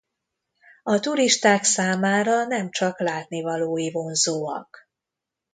A turisták számára nemcsak látnivalói vonzóak.